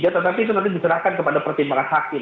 tetapi itu nanti diserahkan kepada pertimbangan hakim